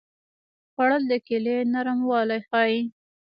خوړل د کیلې نرموالی ښيي